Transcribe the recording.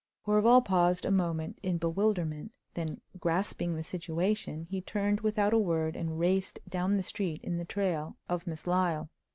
Horval paused a moment in bewilderment; then, grasping the situation, he turned, without a word, and raced down the street in the trail of Miss Lyle.